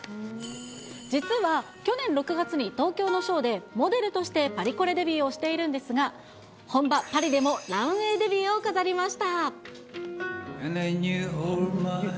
実は去年６月に東京のショーでモデルとしてパリコレデビューをしているんですが、本場パリでもランウエーデビューを飾りました。